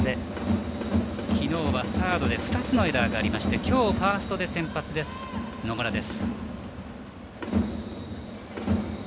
きのうはサードで２つのエラーがありましてきょうはファーストで先発の野村です。